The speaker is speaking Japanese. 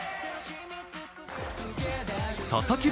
佐々木朗